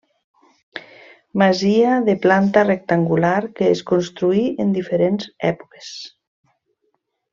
Masia de planta rectangular que es construí en diferents èpoques.